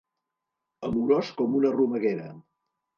Amorós com una romeguera.